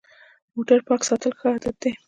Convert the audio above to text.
موټر پاک ساتل ښه عادت دی.